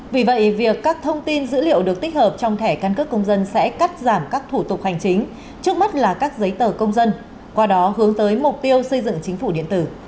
vì vậy việc các thông tin dữ liệu được tích hợp trong thẻ căn cước công dân sẽ cắt giảm các thủ tục hành chính trước mắt là các giấy tờ công dân qua đó hướng tới mục tiêu xây dựng chính phủ điện tử